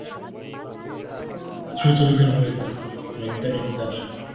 সুচরিতার বুকের ভিতরে রক্ত নৃত্য করিয়া উঠিল–সে আনন্দময়ীকে প্রণাম করিল।